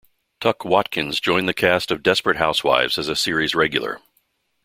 Tuc Watkins joined the cast of "Desperate Housewives" as a series regular.